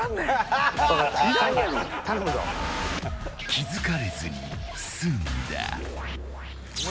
気づかれずに済んだ。